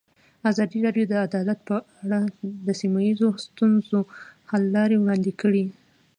ازادي راډیو د عدالت په اړه د سیمه ییزو ستونزو حل لارې راوړاندې کړې.